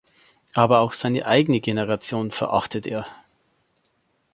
Aber auch seine eigene Generation verachtet er.